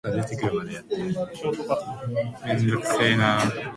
お腹がすきました